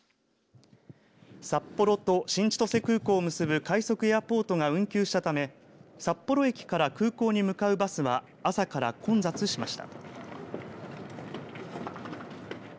札幌と新千歳空港を結ぶ快速エアポートが運休したため札幌駅から空港に向かうバスは朝から混雑しました。